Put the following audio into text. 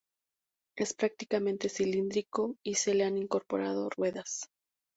Es prácticamente cilíndrico y se le han incorporado ruedas.